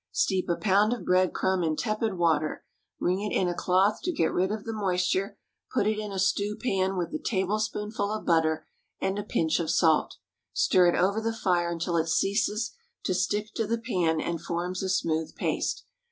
Steep a pound of bread crumb in tepid water; wring it in a cloth to get rid of the moisture; put it in a stewpan with a tablespoonful of butter and a pinch of salt. Stir it over the fire until it ceases to stick to the pan and forms a smooth paste.